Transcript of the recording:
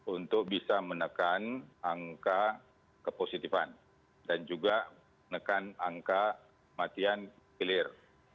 untuk bisa menekan angka kepositifan dan juga menekan angka matian hilir